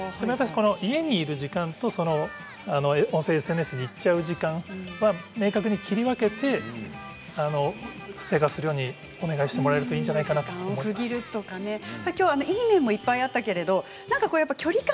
家にいる時間と音声ＳＮＳに行っちゃう時間明確に切り分けて生活するようにお願いしてもらえばいいんじゃないかと「みんなの体操」です。